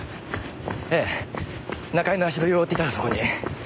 ええ中居の足取りを追っていたらそこに。